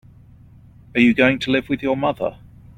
Are you going to live with your mother?